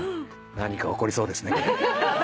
何か起こりそうですね。